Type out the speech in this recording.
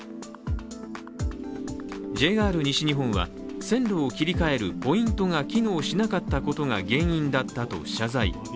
ＪＲ西日本は線路を切り替えるポイントが機能しなかったことが原因だったと謝罪。